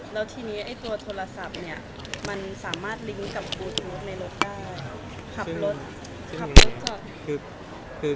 แล้วทีนี้ตัวโทรศัพท์มันสามารถลิงก์กับบูทูธในรถการขับรถ